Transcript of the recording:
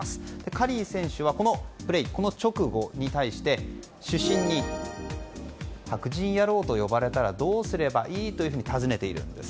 カリー選手はこの直後に主審に白人野郎と呼ばれたらどうすればいい？と尋ねているんです。